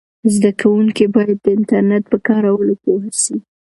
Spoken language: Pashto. زده کوونکي باید د انټرنیټ په کارولو پوه سي.